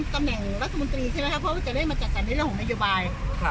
กำเนกลักษณ์วิทยาลัยจริงเพราะว่าจะได้มาจัดสารเรื่องนโยบาย